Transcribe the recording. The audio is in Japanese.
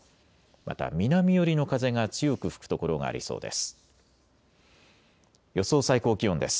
また南寄りの風が強く吹く所がありそうです。